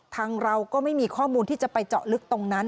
ทางเราก็ไม่มีข้อมูลที่จะไปเจาะลึกตรงนั้น